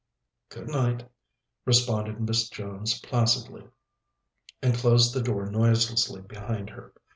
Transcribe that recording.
"Good night," responded Miss Jones placidly, and closed the door noiselessly behind her.